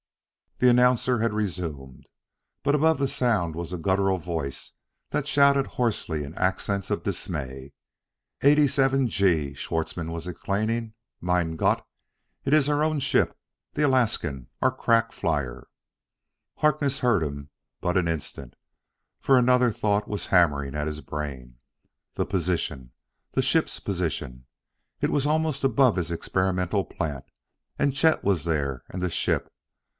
The announcer had resumed, but above the sound was a guttural voice that shouted hoarsely in accents of dismay. "Eighty seven G!" Schwartzmann was exclaiming, " Mein Gott! It iss our own ship, the Alaskan! Our crack flyer!" Harkness heard him but an instant, for another thought was hammering at his brain. The position! the ship's position! it was almost above his experimental plant! And Chet was there, and the ship....